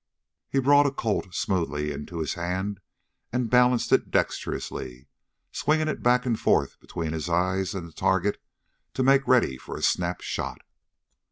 He brought a Colt smoothly into his hand and balanced it dexterously, swinging it back and forth between his eyes and the target to make ready for a snap shot.